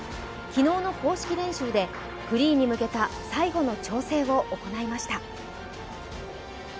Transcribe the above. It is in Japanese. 昨日の公式練習でフリーに向けた最後の調整を行いました。